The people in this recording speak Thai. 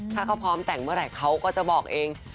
ถ้าเขาพร้อมแต่งเมื่อไหร่เขาก็จะบอกเอง